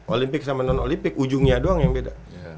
olympic sama non olympic ujungnya doang yang beda